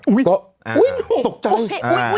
ผมก็โอ้ยตกใจ